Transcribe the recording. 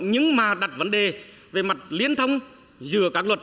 nhưng mà đặt vấn đề về mặt liên thông giữa các luật